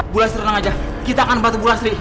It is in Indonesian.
bu lastri tenang aja kita akan bantu bu lastri